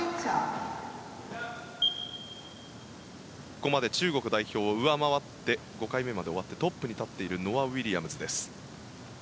ここまで中国代表を上回って５回目まで終わってトップに立っているノア・ウィリアムズです。